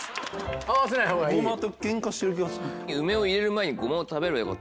梅を入れる前にごまを食べればよかった。